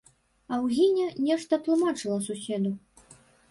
Аўгіння нешта тлумачыла суседу.